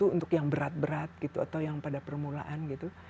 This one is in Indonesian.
untuk yang berat berat atau yang pada permulaan